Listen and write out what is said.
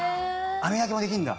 網焼きもできるんだ。